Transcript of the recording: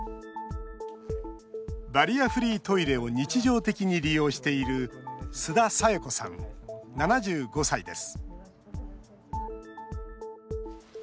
バリアフリートイレを日常的に利用している須田紗代子さん、７５歳です